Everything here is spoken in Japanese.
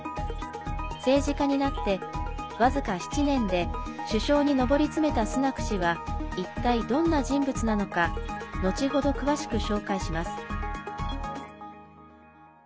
政治家になって僅か７年で首相に上り詰めたスナク氏は一体どんな人物なのか後ほど詳しく紹介します。